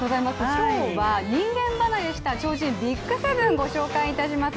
今日は人間離れした超人ＢＩＧ７をご紹介します。